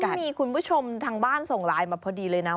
มีคุณผู้ชมทางบ้านส่งไลน์มาพอดีเลยนะ